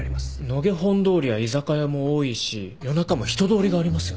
野毛本通りは居酒屋も多いし夜中も人通りがありますよね？